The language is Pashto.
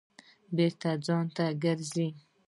بېرته ځای ته ګرځي.